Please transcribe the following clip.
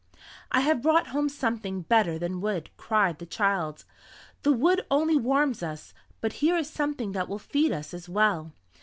"I have brought home something better than wood," cried the child. "The wood only warms us, but here is something that will feed us as well."